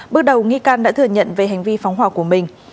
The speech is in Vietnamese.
bước đầu nghi can đã thừa nhận về hành vi phóng hỏa của mình